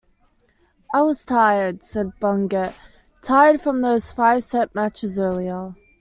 "I was tired," said Bungert, "Tired from those five set matches earlier.